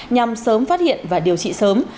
nhằm sớm phát hiện và điều trị sớm